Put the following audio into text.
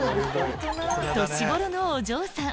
年頃のお嬢さん